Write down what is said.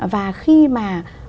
và khi mà